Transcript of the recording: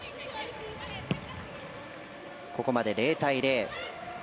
ここまで０対０。